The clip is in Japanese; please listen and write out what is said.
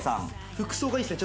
服装がいいっすね。